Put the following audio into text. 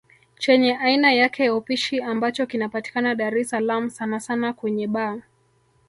Chenye aina yake ya upishi ambacho kinapatikana Dar es salaam sana sana kwenye baa